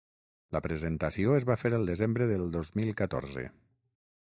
La presentació es va fer el desembre del dos mil catorze.